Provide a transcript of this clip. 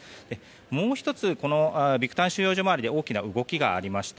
もう１つこのビクタン収容所周りで大きな動きがありました。